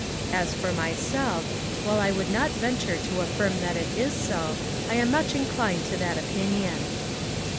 As for myself, while I would not venture to affirm that it is so, I am much inclined to that opinion.